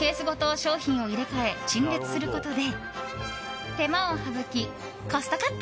商品を入れ替え陳列することで手間を省き、コストカット。